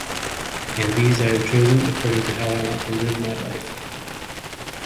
and these I have chosen according to how I want to live my life